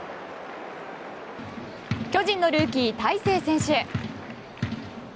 巨人のルーキー、大勢選手。